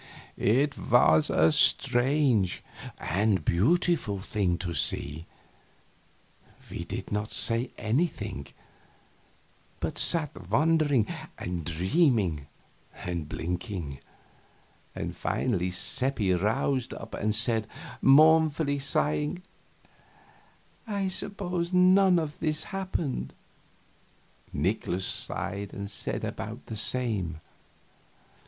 It was a strange and beautiful thing to see. We did not say anything, but sat wondering and dreaming and blinking; and finally Seppi roused up and said, mournfully sighing: "I suppose none of it has happened." Nikolaus sighed and said about the same.